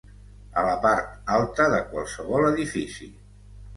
A la part alta de qualsevol edifici.